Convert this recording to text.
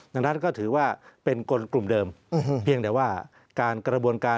ดังนั้นก็ถือว่าเป็นกลกลุ่มเดิมเพียงแต่ว่าการกระบวนการ